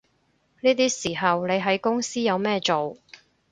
呢啲時候你喺公司有咩做